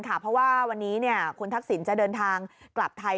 เพราะว่าวันนี้คุณทักษิณจะเดินทางกลับไทย